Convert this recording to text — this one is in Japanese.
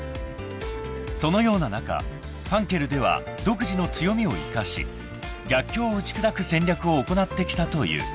［そのような中ファンケルでは独自の強みを生かし逆境を打ち砕く戦略を行ってきたという］